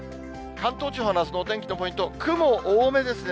関東地方のあすのお天気のポイント、雲多めですね。